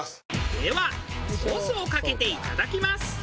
ではソースをかけていただきます。